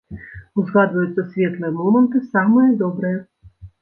Узгадваюцца светлыя моманты, самыя добрыя.